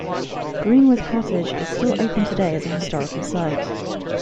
Greenwith Cottage is still open today as a historical site.